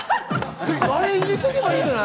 あれ入れていけばいいんじゃない？